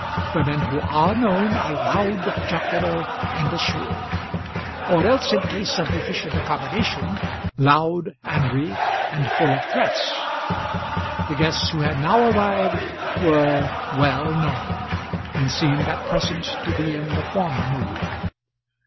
The men who are known are loud, jocular, and assured; or else, in case of deficient accommodation, loud, angry, and full of threats. The guests who had now arrived were well known, and seemed at present to be in the former mood.